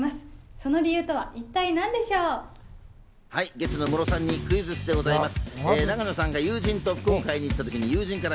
ゲストのムロさんにクイズッスでございます。